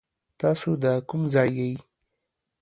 تاسو دا کوم ځای يي ؟